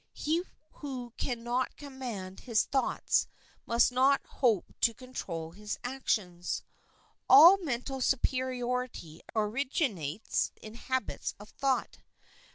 He who can not command his thoughts must not hope to control his actions. All mental superiority originates in habits of thought.